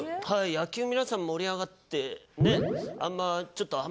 野球皆さん盛り上がってね。